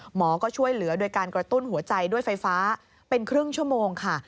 หมอก็ช่วยเหลือโดยการกระตุ้นหัวใจด้วยไฟฟ้าเป็นครึ่งชั่วโมงค่ะ